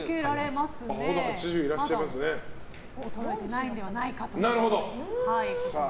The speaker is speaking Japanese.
まだ衰えていないのではないかと。